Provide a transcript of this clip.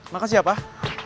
makasih ya pak